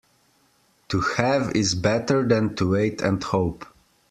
To have is better than to wait and hope.